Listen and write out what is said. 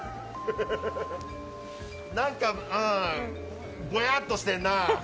何かぼやっとしてんな。